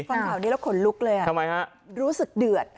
ฟังข่าวนี้แล้วขนลุกเลยอ่ะทำไมฮะรู้สึกเดือด